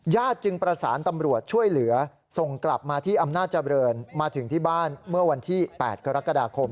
จึงประสานตำรวจช่วยเหลือส่งกลับมาที่อำนาจเจริญมาถึงที่บ้านเมื่อวันที่๘กรกฎาคม